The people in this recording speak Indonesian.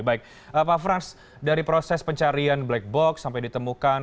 baik pak frans dari proses pencarian black box sampai ditemukan